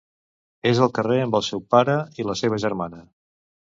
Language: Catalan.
És al carrer amb el seu pare i la seva germana.